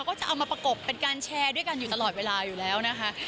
ก็จะเอามาประกบเป็นการแชร์ด้วยกันอยู่ตลอดเวลาอยู่แล้วนะคะ